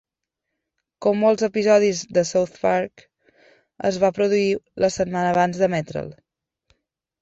Com molts episodis de South Park, es va produir la setmana abans d'emetre'l.